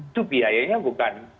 itu biayanya bukan